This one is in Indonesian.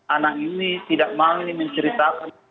anak ini tidak mau menceritakan